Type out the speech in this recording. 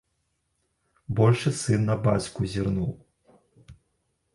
Большы сын на бацьку зірнуў.